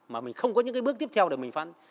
mà mình không có những cái bước tiếp theo để mình phân